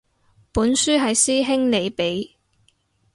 本書係師兄你畀